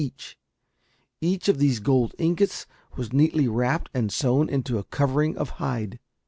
Each of these gold ingots was neatly wrapped and sewn into a covering of hide.